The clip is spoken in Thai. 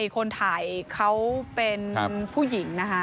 คนถ่ายเขาเป็นผู้หญิงนะคะ